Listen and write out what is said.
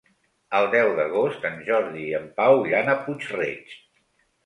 El deu d'agost en Jordi i en Pau iran a Puig-reig.